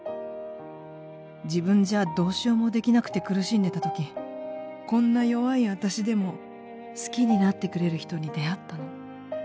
「自分じゃどうしようもできなくて苦しんでた時こんな弱いあたしでも好きになってくれる人に出会ったの。